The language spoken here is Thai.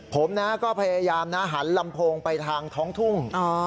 ผมนะก็พยายามนะหันลำโพงไปทางท้องทุ่ง